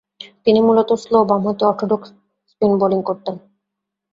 তিনি মূলতঃ স্লো বামহাতি অর্থোডক্স স্পিন বোলিং করতেন।